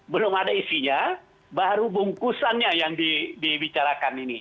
belum ada isinya baru bungkusannya yang dibicarakan ini